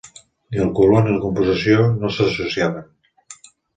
Ni el color ni la composició no s'associaven.